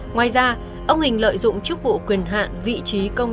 ngoài ra ông hình lợi dụng chức vụ quyền hạn